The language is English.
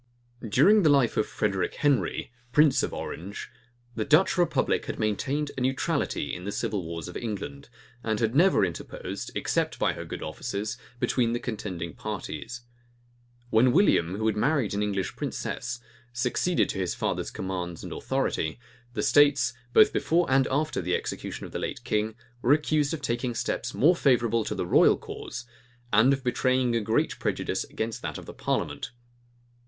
During the life of Frederic Henry, prince of Orange, the Dutch republic had maintained a neutrality in the civil wars of England, and had never interposed, except by her good offices, between the contending parties. When William, who had married an English princess, succeeded to his father's commands and authority,[] the states, both before and after the execution of the late king, were accused of taking steps more favorable to the royal cause, and of betraying a great prejudice against that of the parliament.